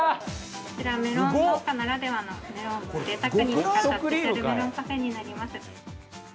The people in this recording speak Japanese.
こちらメロン農家ならではのメロンを贅沢に使ったスペシャルメロンパフェになります。